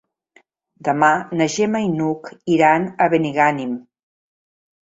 Demà na Gemma i n'Hug iran a Benigànim.